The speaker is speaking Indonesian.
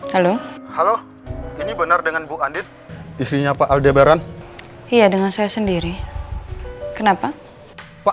halo halo ini benar dengan bu andit istrinya pak al jabaran iya dengan saya sendiri kenapa pak